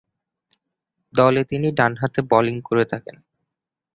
দলে তিনি ডানহাতে বোলিং করে থাকেন।